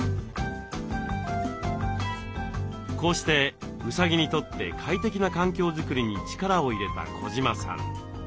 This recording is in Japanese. こうしてうさぎにとって快適な環境づくりに力を入れた児島さん。